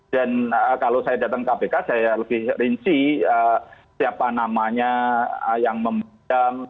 dan kalau saya datang kpk saya lebih rinci siapa namanya yang meminjam